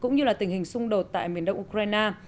cũng như là tình hình xung đột tại miền đông ukraine